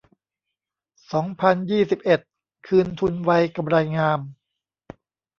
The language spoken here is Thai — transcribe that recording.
สองพันยี่สิบเอ็ด คืนทุนไว กำไรงาม